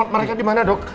mereka di mana dok